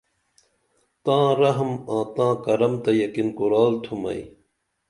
تاں رحم آں تاں کرم تہ یقین کُرال تُھم ائی